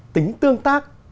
tính tương tác